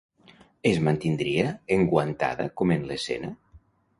Es mantindria enguantada com en l'escena?